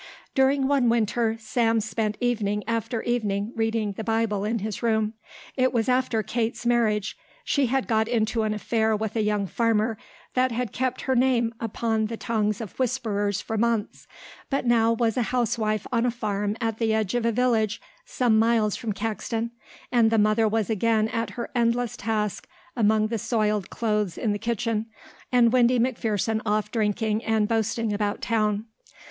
During one winter Sam spent evening after evening reading the Bible in his room. It was after Kate's marriage she had got into an affair with a young farmer that had kept her name upon the tongues of whisperers for months but was now a housewife on a farm at the edge of a village some miles from Caxton, and the mother was again at her endless task among the soiled clothes in the kitchen and Windy McPherson off drinking and boasting about town.